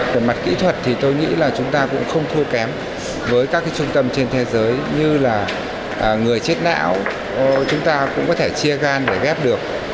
về mặt kỹ thuật thì tôi nghĩ là chúng ta cũng không thua kém với các trung tâm trên thế giới như là người chết não chúng ta cũng có thể chia gan để ghép được